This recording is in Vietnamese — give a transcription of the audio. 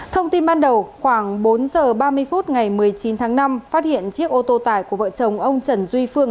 thông tin ban đầu khoảng bốn giờ ba mươi phút ngày một mươi chín tháng năm phát hiện chiếc ô tô tải của vợ chồng ông trần duy phương